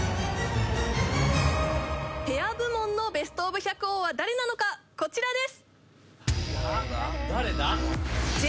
ペア部門のベストオブ百王は誰なのかこちらです！